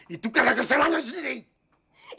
itu karena kesalahannya sendiri